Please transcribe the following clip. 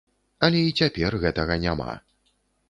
Але і цяпер гэтага няма.